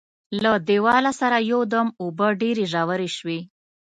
له دیواله سره یو دم اوبه ډېرې ژورې شوې.